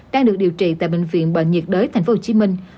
đang được điều trị tại bệnh viện bệnh nhiệt đới tp hcm